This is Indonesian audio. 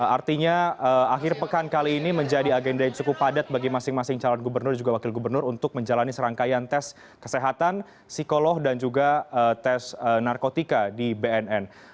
artinya akhir pekan kali ini menjadi agenda yang cukup padat bagi masing masing calon gubernur dan juga wakil gubernur untuk menjalani serangkaian tes kesehatan psikolog dan juga tes narkotika di bnn